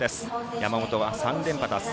山本は３連覇達成。